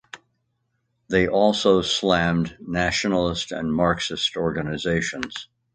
They also slammed nationalist and Marxist organizations.